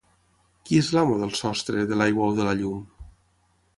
Qui és l’amo del sostre, de l’aigua o de la llum?